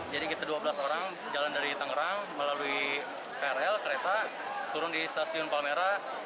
jadi kita dua belas orang jalan dari tangerang melalui krl kereta turun di stasiun palmera